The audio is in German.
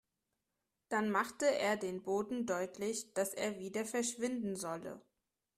Dann machte er dem Boten deutlich, dass er wieder verschwinden solle.